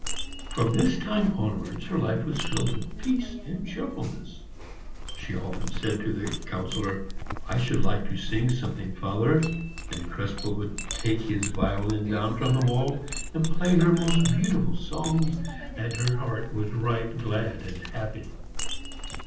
From this time onwards her life was filled with peace and cheerfulness. She often said to the Councillor, "I should like to sing something, father." Then Krespel would take his violin down from the wall and play her most beautiful songs, and her heart was right glad and happy.